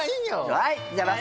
はい